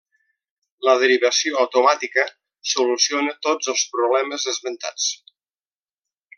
La derivació automàtica soluciona tots els problemes esmentats.